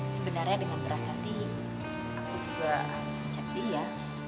sebenarnya dengan berat hati aku juga harus pecat dia